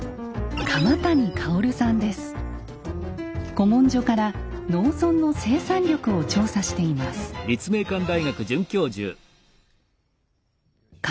古文書から農村の生産力を調査しています。